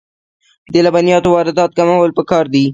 د لبنیاتو واردات کمول پکار دي